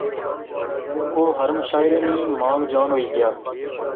او ہر مشاعرے نی مانگ جان ہوئی گیا